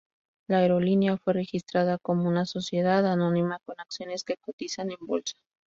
La aerolínea fue registrada como una sociedad anónima con acciones que cotizan en bolsa.